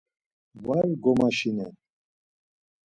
Var gomaşinen.